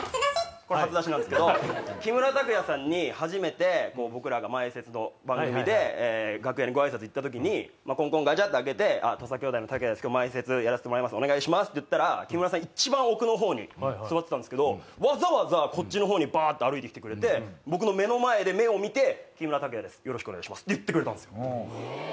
これ初出しなんですけど木村拓哉さんに初めて僕らが前説の番組で楽屋にご挨拶行った時にコンコンガチャって開けて「土佐兄弟の卓也です今日前説やらせてもらいます。お願いします」って言ったら木村さん一番奥のほうに座ってたんですけどわざわざこっちのほうにバって歩いて来てくれて僕の目の前で目を見て「木村拓哉ですよろしくお願いします」って言ってくれたんですよ。